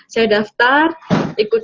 saya daftar ikut